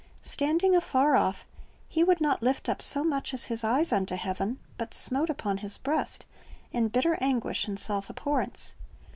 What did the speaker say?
Standing afar off, he "would not lift up so much as his eyes unto heaven, but smote upon his breast," in bitter anguish and self abhorrence.